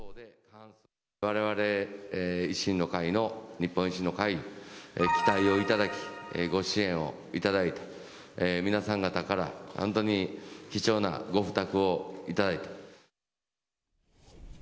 われわれ維新の会の、日本維新の会、期待を頂き、ご支援を頂いた、皆さん方から本当に貴重なご負託を頂き。